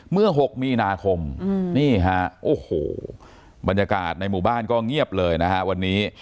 ๖มีนาคมนี่ฮะโอ้โหบรรยากาศในหมู่บ้านก็เงียบเลยนะฮะวันนี้